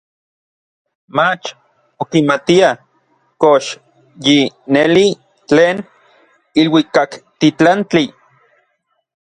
Mach okimatia kox yi neli tlen iluikaktitlantli.